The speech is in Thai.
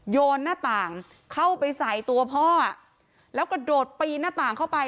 โยนหน้าต่างเข้าไปใส่ตัวพ่อแล้วกระโดดปีนหน้าต่างเข้าไป